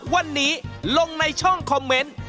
วันนี้ลงในช่องคอมเมนต์